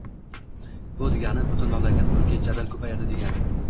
Bu degani – butun mamlakat mulki jadal ko‘payadi degani.